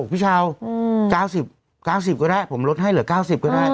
พี่เช้า๙๐๙๐ก็ได้ผมลดให้เหลือ๙๐ก็ได้